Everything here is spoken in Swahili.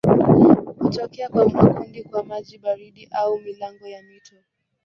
Hutokea kwa makundi kwa maji baridi au milango ya mito.